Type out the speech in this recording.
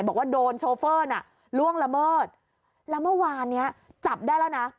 บอกว่าโดนโชเฟอร์น่ะล่วงละเมิดแล้วเมื่อวานเนี้ยจับได้แล้วนะ